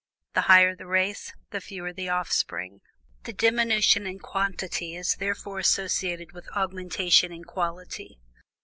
The higher the race, the fewer the offspring. "Thus diminution in quantity is throughout associated with augmentation in quality.